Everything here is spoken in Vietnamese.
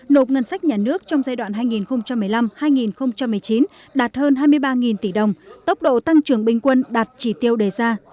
nộp ngân sách nhà nước trong giai đoạn hai nghìn một mươi năm hai nghìn một mươi chín đạt hơn hai mươi ba tỷ đồng tốc độ tăng trưởng bình quân đạt chỉ tiêu đề ra